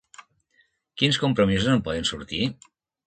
Quins compromisos en poden sortir?